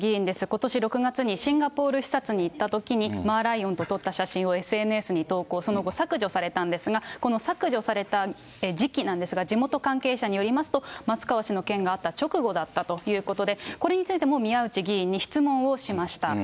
ことし６月にシンガポール視察に行ったときに、マーライオンと撮った写真をＳＮＳに投稿、その後、削除されたんですが、この削除された時期なんですが、地元関係者によりますと、松川氏の件があった直後だったということで、これについても宮内議員に質問をしました。